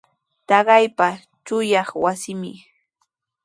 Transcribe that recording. Taqayqa chunyaq wasimi.